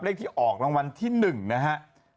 เลขที่ออกรางวัลที่๑นะฮะ